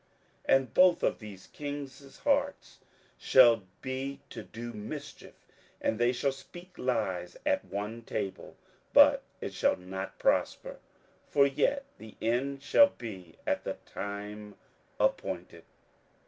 27:011:027 And both of these kings' hearts shall be to do mischief, and they shall speak lies at one table; but it shall not prosper: for yet the end shall be at the time appointed.